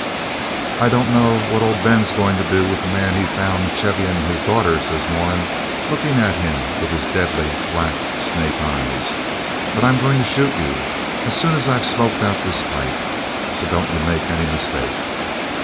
'I don't know what old Ben's going to do with the man he found chevying his daughter,' says Moran, looking at him with his deadly black snake eyes, 'but I'm a goin' to shoot you as soon as I've smoked out this pipe, so don't you make any mistake.'